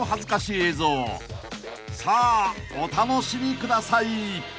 ［さあお楽しみください］